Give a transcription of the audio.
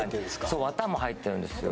そう綿も入っているんですよ